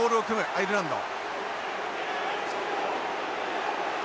アイルランド。